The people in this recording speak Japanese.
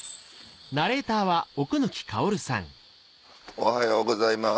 おはようございます。